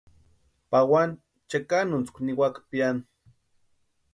Pawani chekanuntskwa niwaka piani.